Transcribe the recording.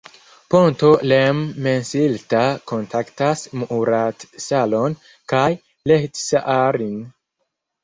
Ponto Lemmensilta kontaktas Muuratsalon kaj Lehtisaarin.